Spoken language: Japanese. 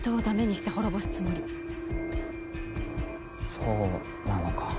そうなのか。